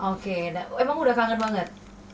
oke nah emang udah kangen banget